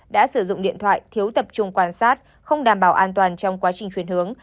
đã sử dụng điện thoại thiếu tập trung quan sát không đảm bảo an toàn trong quá trình chuyển hướng